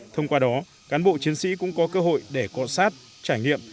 thông qua đó cán bộ chiến sĩ cũng có cơ hội để cọ sát trải nghiệm